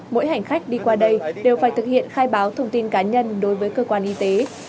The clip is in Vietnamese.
mỗi hành khách đi qua đây đều phải thực hiện khai báo thông tin cá nhân đối với cơ quan y tế